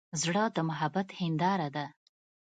زړه د محبت هنداره ده.